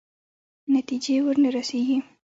نتایجې ورنه رسېږي.